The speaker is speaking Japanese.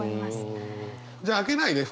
じゃあ開けないで。